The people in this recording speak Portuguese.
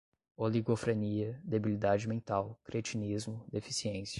oligofrenia, debilidade mental, cretinismo, deficiência